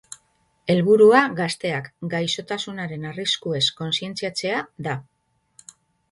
Helburua gazteak gaixotasunaren arriskuez kontzientziatzea da.